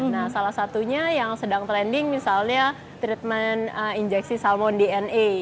nah salah satunya yang sedang trending misalnya treatment injeksi salmon dna